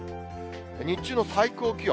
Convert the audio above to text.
日中の最高気温。